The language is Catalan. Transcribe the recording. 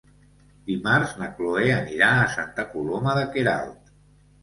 Dimarts na Chloé anirà a Santa Coloma de Queralt.